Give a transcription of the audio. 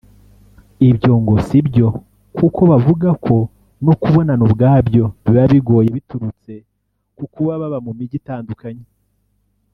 Ibyo ngo sibyo kuko bavuga ko no kubonana ubwabyo biba bigoye biturutse ku kuba baba mu mijyi itandukanye